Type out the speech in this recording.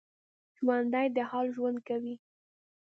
ژوندي د حال ژوند کوي